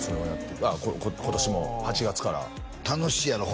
今年も８月から楽しいやろ？